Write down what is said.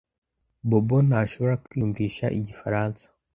Bobo ntashobora kwiyumvisha igifaransa.